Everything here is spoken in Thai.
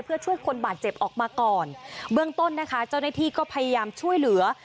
เพื่อช่วยคนบาดเจ็บออกมาก่อนเบื้องต้นนะคะเจ้าหน้าที่ก็พยายามช่วยเหลือ